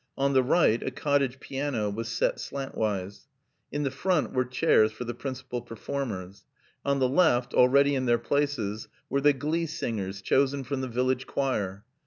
On the right a cottage piano was set slantwise. In the front were chairs for the principal performers. On the left, already in their places, were the glee singers chosen from the village choir.